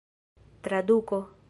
traduko